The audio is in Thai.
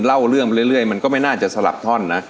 เล่าเรื่องไปเรื่อยมันก็ไม่น่าจะสลับท่อนนะ